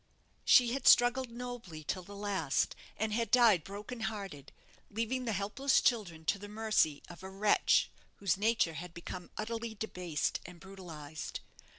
She had struggled nobly till the last, and had died broken hearted, leaving the helpless children to the mercy of a wretch whose nature had become utterly debased and brutalized.